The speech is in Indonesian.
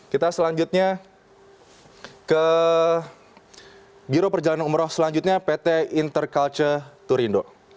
kita selanjutnya ke biro perjalanan umroh selanjutnya pt interculture turindo